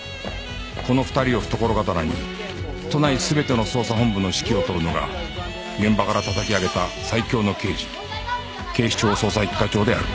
この２人を懐刀に都内全ての捜査本部の指揮を執るのが現場からたたき上げた最強の刑事警視庁捜査一課長である